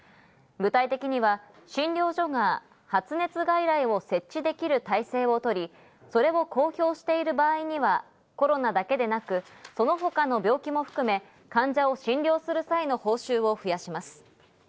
具体的には診療所が発熱外来を設置できる体制をとり、それを公表している場合にはコロナだけでなく、その他の病気も含め患者を診療する際の報酬を増やします。